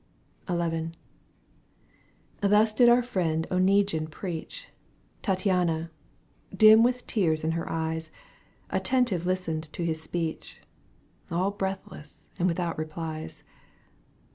— XL Thus did our Mend Oneguine preach : Tattiana, dim with tears her eyes, Attentive listened to his speech. All breathless and without replies.